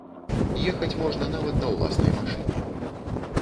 Ехаць можна нават на ўласнай машыне.